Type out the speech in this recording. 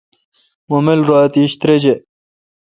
مہ مل رو اتیش تریجہ۔